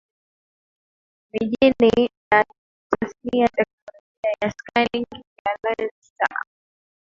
mijini na tasnia Teknolojia ya skanning ya laser